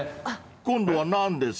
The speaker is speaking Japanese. ［今度は何です？］